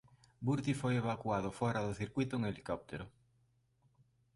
Burti foi evacuado fóra do circuíto en helicóptero.